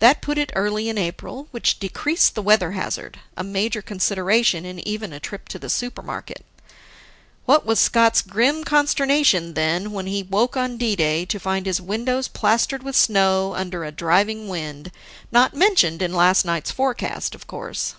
That put it early in April, which decreased the weather hazard a major consideration in even a trip to the Supermarket. What was Scott's grim consternation, then, when he woke on D day to find his windows plastered with snow under a driving wind not mentioned in last night's forecast of course.